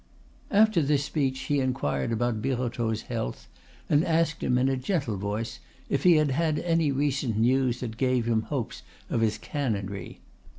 After this speech he inquired about Birotteau's health, and asked in a gentle voice if he had had any recent news that gave him hopes of his canonry.